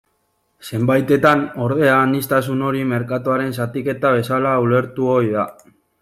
Zenbaitetan, ordea, aniztasun hori merkatuaren zatiketa bezala ulertu ohi da.